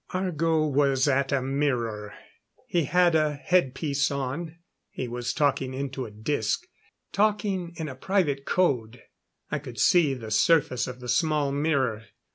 Argo was at a mirror; he had a head piece on; he was talking into a disc talking in a private code. I could see the surface of the small mirror.